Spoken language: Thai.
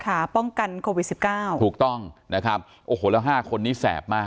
ค่ะป้องกันโควิดสิบเก้าถูกต้องนะครับโอ้โหแล้วห้าคนนี้แสบมาก